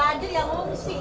kalau banjir ya ngungsi